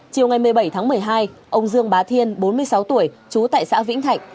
chiều ngày một mươi bảy tháng một mươi hai ông dương bá thiên bốn mươi sáu tuổi trú tại xã vĩnh thạnh